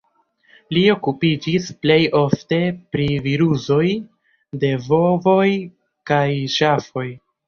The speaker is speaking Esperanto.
Li okupiĝis plej ofte pri virusoj de bovoj kaj ŝafoj.